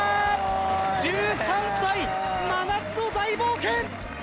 １３歳、真夏の大冒険！